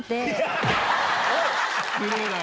失礼だよ！